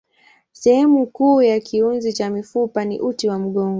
Sehemu kuu ya kiunzi cha mifupa ni uti wa mgongo.